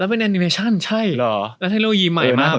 แล้วเป็นแอนิเมชั่นใช่แล้วเทลโลยีใหม่มาก